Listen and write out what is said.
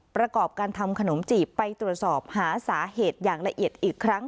ประกอบการทำขนมจีบไปตรวจสอบหาสาเหตุอย่างละเอียดอีกครั้ง